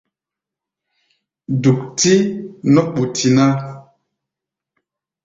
Duk-tí nɔ́ ɓuti ná.